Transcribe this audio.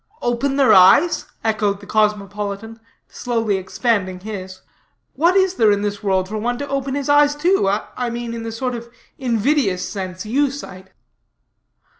"Open their eyes?" echoed the cosmopolitan, slowly expanding his; "what is there in this world for one to open his eyes to? I mean in the sort of invidious sense you cite?"